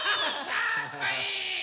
かっこいい！